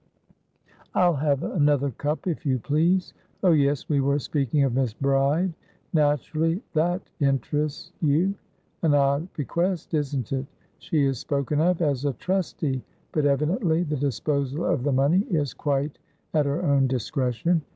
"I'll have another cup, if you please. Oh yes, we were speaking of Miss Bride. Naturally, that interests you. An odd bequest, isn't it? She is spoken of as a trustee, but evidently the disposal of the money is quite at her own discretion.